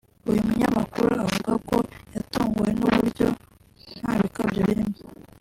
Uyu munyamakuru avuga ko yatunguwe n’uburyo ntabikabyo birimo